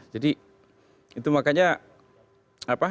jadi itu makanya apa